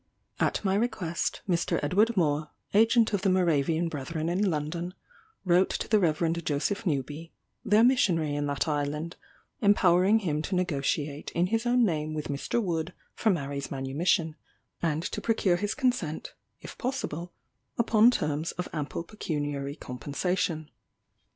At my request, Mr. Edward Moore, agent of the Moravian Brethren in London, wrote to the Rev. Joseph Newby, their Missionary in that island, empowering him to negotiate in his own name with Mr. Wood for Mary's manumission, and to procure his consent, if possible, upon terms of ample pecuniary compensation.